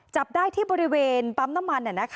จับได้ที่บริเวณปั๊มน้ำมัน